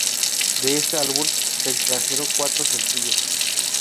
De este álbum se extrajeron cuatro sencillos.